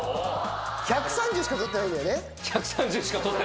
１３０しか取ってないんだよね？